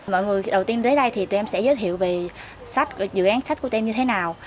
mọi người đầu tiên đến đây thì tụi em sẽ giới thiệu về sách dự án sách của tụi như thế nào